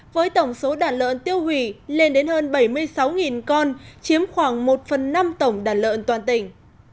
với tổng số đàn lợn tiêu hủy lên đến hơn bảy mươi sáu con chiếm khoảng một phần năm tổng đàn lợn toàn tỉnh